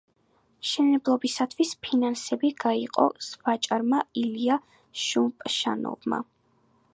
მშენებლობისათვის ფინანსები გაიღო ვაჭარმა ილია შუშპანოვმა.